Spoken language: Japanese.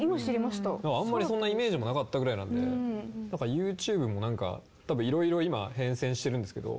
あんまりそんなイメージもなかったぐらいなんでＹｏｕＴｕｂｅもなんか多分いろいろ今変遷してるんですけど。